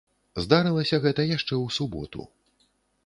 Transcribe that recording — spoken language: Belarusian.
Здарылася гэта яшчэ ў суботу.